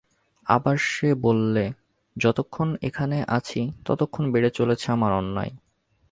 আবার সে বললে, যতক্ষণ এখানে আছি ততক্ষণ বেড়ে চলেছে আমার অন্যায়।